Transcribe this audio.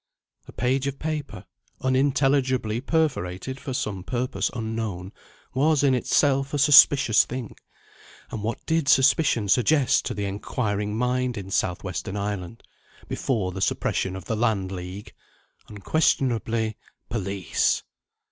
A page of paper, unintelligibly perforated for some purpose unknown, was in itself a suspicious thing. And what did suspicion suggest to the inquiring mind in South Western Ireland, before the suppression of the Land League? Unquestionably Police!